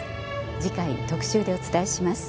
次回特集でお伝えします。